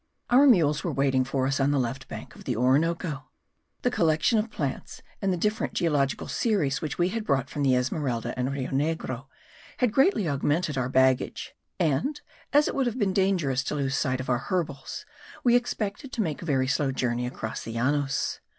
Our mules were in waiting for us on the left bank of the Orinoco. The collection of plants, and the different geological series which we had brought from the Esmeralda and Rio Negro, had greatly augmented our baggage; and, as it would have been dangerous to lose sight of our herbals, we expected to make a very slow journey across the Llanos.